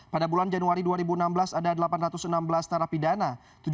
pada bulan januari dua ribu enam belas ada delapan ratus enam belas narapidana